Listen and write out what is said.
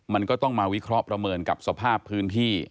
มันก็ต้องมาวิเคราะห์ประเมินกับสภาพพื้นที่